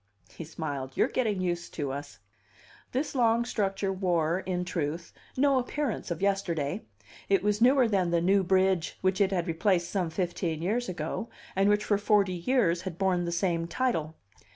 He smiled. "You're getting used to us!" This long structure wore, in truth, no appearance of yesterday. It was newer than the "New Bridge" which it had replaced some fifteen years ago, and which for forty years had borne the same title.